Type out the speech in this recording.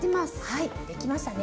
はいできましたね！